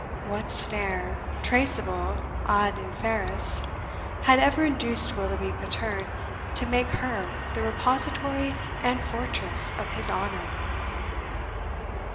What snare, traceable ad inferas, had ever induced Willoughby Patterne to make her the repository and fortress of his honour!